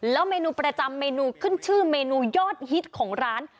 เมนูประจำเมนูขึ้นชื่อเมนูยอดฮิตของร้าน